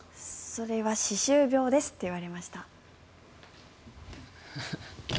それは歯周病ですって言われました。